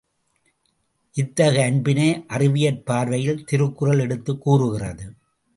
இத்தகு அன்பினை அறிவியற் பார்வையில் திருக்குறள் எடுத்துக் கூறுகிறது.